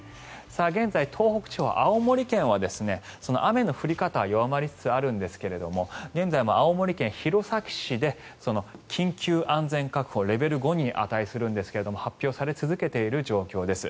現在、東北地方、青森県は雨の降り方は弱まりつつあるんですが現在も青森県弘前市で緊急安全確保レベル５に値するんですが発表され続けている状況です。